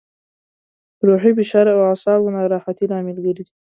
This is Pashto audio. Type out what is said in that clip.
روحي فشار او اعصابو ناراحتي لامل ګرځي.